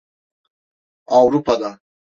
Avrupa'da.